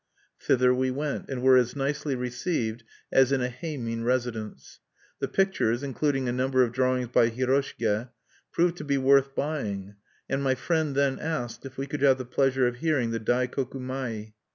Thither we went, and were as nicely received as in a heimin residence. The pictures including a number of drawings by Hiroshige proved to be worth buying; and my friend then asked if we could have the pleasure of hearing the Daikoku mai.